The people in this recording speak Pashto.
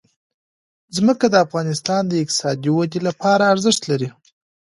ځمکه د افغانستان د اقتصادي ودې لپاره ارزښت لري.